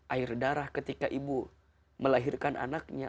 air darah ketika ibu melahirkan anaknya